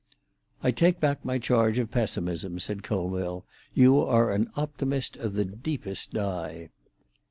"I take back my charge of pessimism," said Colville. "You are an optimist of the deepest dye."